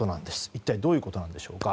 一体どういうことなんでしょうか。